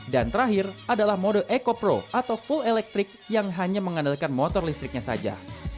dan terakhir adalah mode eco pro atau full electric yang hanya mengandalkan motor listriknya saja